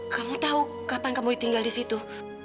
kamu tahu kapan kamu tinggal di situ